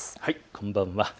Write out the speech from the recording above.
こんばんは。